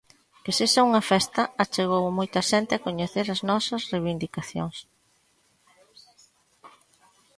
Que sexa unha festa achegou moita xente a coñecer as nosas reivindicacións.